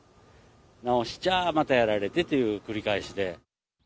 直しちゃまたやられてという繰り返しで。